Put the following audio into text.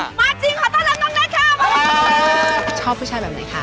มาจริงขอต้อนรับน้องแน่นค่ะ